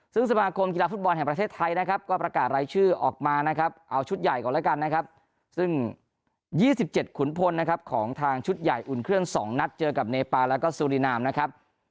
ซึ่งสมาคมกีฬาฟุตบอลแห่งประเทศไทยนะครับก็ประกาศรายชื่อออกมานะครับเอาชุดใหญ่ก่อนแล้วกันนะครับซึ่ง๒๗ขุนพลนะครับของทางชุดใหญ่อุ่นเครื่อง๒นัดเจอกับเนปาแล้วก็สุรินามนะครับ